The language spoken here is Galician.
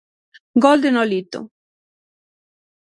Gol de Nolito.